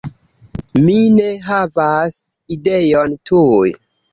Mi ne havas ideon tuj.